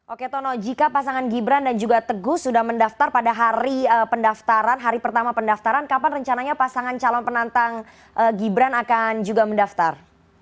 oke tono jika pasangan gibran dan juga teguh sudah mendaftar pada hari pendaftaran hari pertama pendaftaran kapan rencananya pasangan calon penantang gibran akan juga mendaftar